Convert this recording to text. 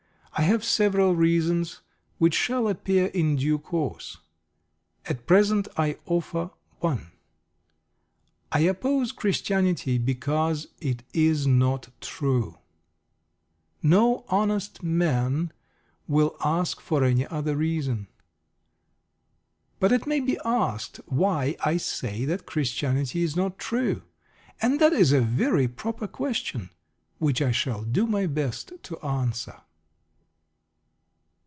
I have several reasons, which shall appear in due course. At present I offer one. I oppose Christianity because it is not true. No honest man will ask for any other reason. But it may be asked why I say that Christianity is not true; and that is a very proper question, which I shall do my best to answer.